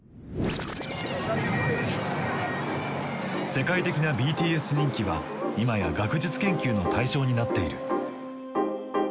世界的なＢＴＳ人気は今や学術研究の対象になっている。